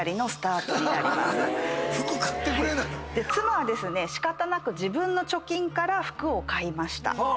仕方なく自分の貯金から服を買いました。